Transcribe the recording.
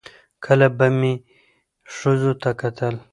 کله به مې ښځو ته کتل